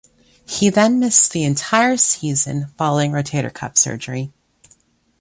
He then missed the entire season following rotator cuff surgery.